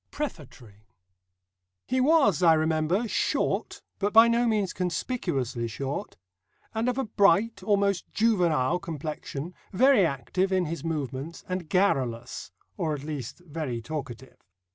PREFATORY He was, I remember, short, but by no means conspicuously short, and of a bright, almost juvenile, complexion, very active in his movements and garrulous or at least very talkative.